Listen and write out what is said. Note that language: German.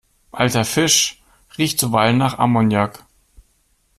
Alter Fisch riecht zuweilen nach Ammoniak.